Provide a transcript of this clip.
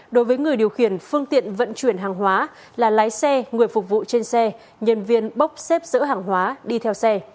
đối với người điều khiển phương tiện vận chuyển hàng hóa là lái xe người phục vụ trên xe nhân viên bốc xếp dỡ hàng hóa đi theo xe